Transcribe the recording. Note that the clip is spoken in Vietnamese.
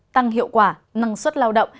tăng hiệu quả năng suất lao động